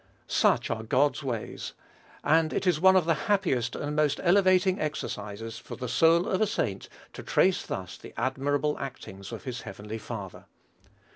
Such are God's ways; and it is one of the happiest and most elevating exercises for the soul of a saint to trace thus the admirable actings of his heavenly Father.